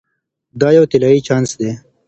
دا یو طلایی چانس دی.